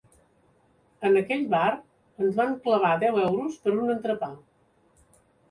En aquell bar ens van clavar deu euros per un entrepà.